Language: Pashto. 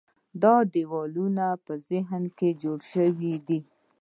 دا دیوالونه په ذهن کې جوړ شوي دي.